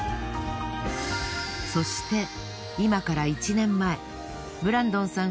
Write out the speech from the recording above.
そして今から１年前ブランドンさん